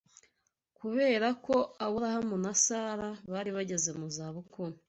kubera ko Aburahamu na Sara bari bageze mu za bukuru